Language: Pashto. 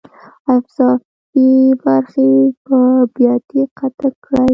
اضافي برخې په بیاتي قطع کړئ.